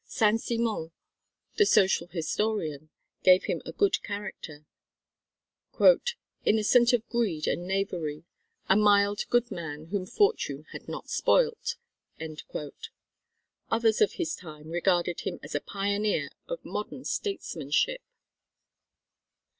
Saint Simon, the social historian, gave him a good character: "innocent of greed and knavery, a mild good man whom fortune had not spoilt." Others of his time regarded him as a pioneer of modern statesmanship.